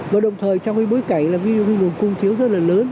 và đồng thời trong cái bối cảnh là ví dụ nguồn cung thiếu rất là lớn